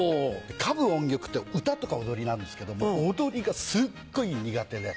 歌舞音曲って歌とか踊りなんですけども踊りがすっごい苦手で。